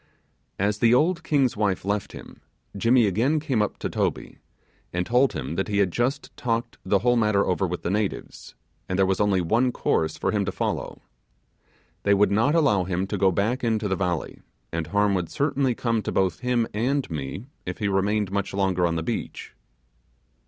As the old king's wife left him, Jimmy again came up to Toby, and told him that he had just talked the whole matter over with the natives, and there was only one course for him to follow. They would not allow him to go back into the valley, and harm would certainly come to both him and me, if he remained much longer on the beach.